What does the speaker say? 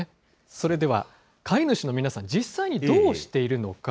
それでは飼い主の皆さん、実際にどうしているのか。